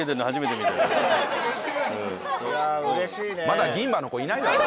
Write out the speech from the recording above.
まだ銀歯の子いないだろ。